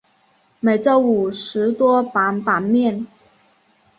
每周五十多版版面。